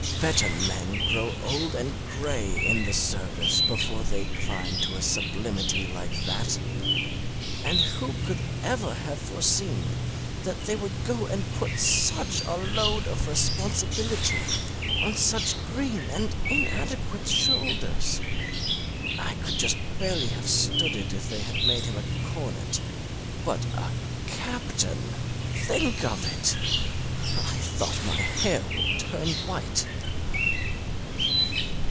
Better men grow old and gray in the service before they climb to a sublimity like that. And who could ever have foreseen that they would go and put such a load of responsibility on such green and inadequate shoulders? I could just barely have stood it if they had made him a cornet; but a captain think of it! I thought my hair would turn white.